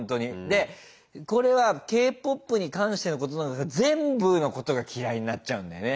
でこれはＫ−ＰＯＰに関してのことなんですけど全部のことが嫌いになっちゃうんだよね。